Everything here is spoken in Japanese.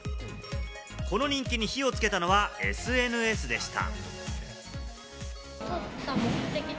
この人気に火をつけたのはＳＮＳでした。